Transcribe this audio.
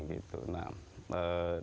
kehidupan itu dimulai dari sini